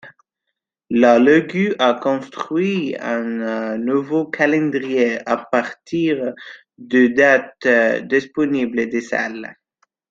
La ligue a construit un nouveau calendrier à partir des dates disponibles des salles.